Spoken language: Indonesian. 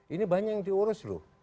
ini banyak yang diurus loh